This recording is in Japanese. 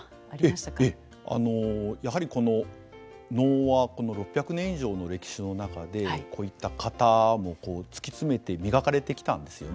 やはりこの能はこの６００年以上の歴史の中でこういった型も突き詰めて磨かれてきたんですよね。